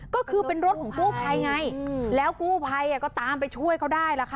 ก็คือเป็นรถของกู้ภัยไงแล้วกู้ภัยก็ตามไปช่วยเขาได้ล่ะค่ะ